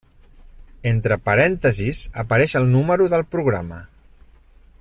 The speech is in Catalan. Entre parèntesis apareix el número del programa.